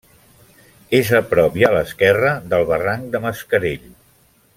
És a prop i a l'esquerra del barranc de Mascarell.